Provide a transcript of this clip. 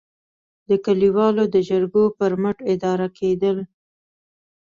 د کلیوالو د جرګو پر مټ اداره کېدل.